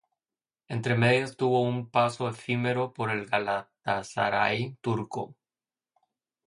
Entre medias tuvo un paso efímero por el Galatasaray turco.